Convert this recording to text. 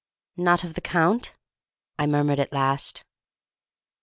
"Not of the Count?" I murmured at last.